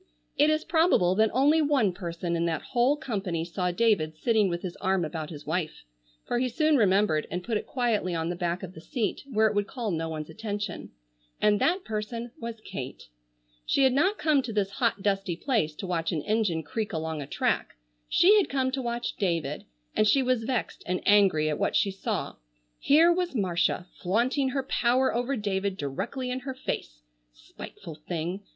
It is probable that only one person in that whole company saw David sitting with his arm about his wife—for he soon remembered and put it quietly on the back of the seat, where it would call no one's attention—and that person was Kate. She had not come to this hot dusty place to watch an engine creak along a track, she had come to watch David, and she was vexed and angry at what she saw. Here was Marcia flaunting her power over David directly in her face. Spiteful thing!